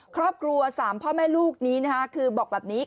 ครอบครัว๓พ่อแม่ลูกนี้นะคะคือบอกแบบนี้